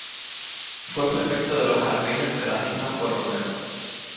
Fue prefecto de los jardines de las islas Borromeo.